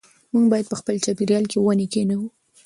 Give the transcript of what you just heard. موږ باید په خپل چاپېریال کې ونې کېنوو.